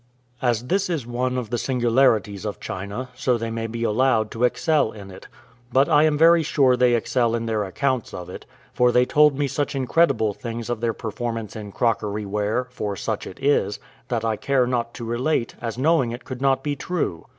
As this is one of the singularities of China, so they may be allowed to excel in it; but I am very sure they excel in their accounts of it; for they told me such incredible things of their performance in crockery ware, for such it is, that I care not to relate, as knowing it could not be true.